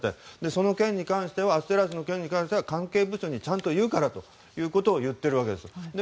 そのアステラスの件に関しては関係部署にちゃんと言うからということを言っています。